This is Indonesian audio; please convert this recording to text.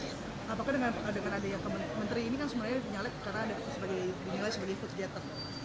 apakah dengan adegan adegan menteri ini kan sebenarnya dinyalek karena ada sebagai footgetter